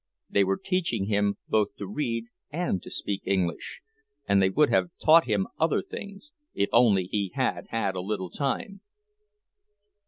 They were teaching him both to read and to speak English—and they would have taught him other things, if only he had had a little time.